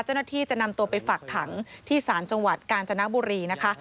เจ้าหน้าที่จะนำตัวไปฝากขังที่ศาลจังหวัดกาญจนบุรีนะคะ